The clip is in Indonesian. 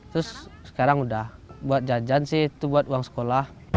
terus sekarang udah buat jajan sih itu buat uang sekolah